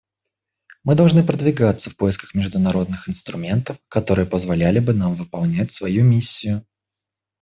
Мы должны продвигаться в поисках международных инструментов, которые позволяли бы нам выполнять свою миссию.